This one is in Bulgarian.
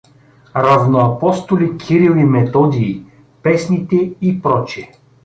Равноапостоли Кирил и Методий, песните и пр.